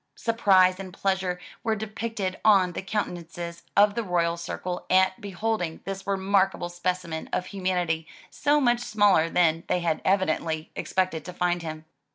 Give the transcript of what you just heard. Surprise and pleasure were depicted on the countenances of the royal circle at beholding this remarkable specimen of humanity so much smaller than they had evidently expected to find him.